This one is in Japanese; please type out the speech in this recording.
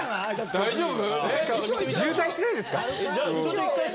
大丈夫？